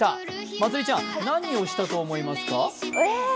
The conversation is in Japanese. まつりちゃん、何をしたと思いますか？